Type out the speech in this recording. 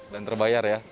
dan terbayar ya